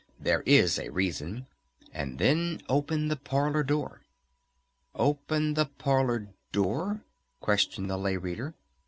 "There is a reason.... And then open the parlor door." "Open the parlor door?" questioned the Lay Reader.